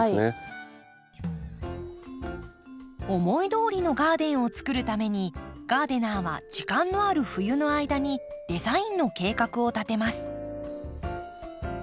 思いどおりのガーデンをつくるためにガーデナーは時間のある冬の間にデザインの計画を立てます。